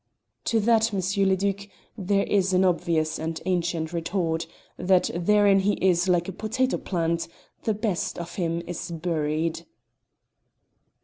"To that, M. le Duc, there is an obvious and ancient retort that therein he is like a potato plant; the best of him is buried."